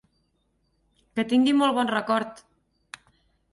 Que tingui molt bon record!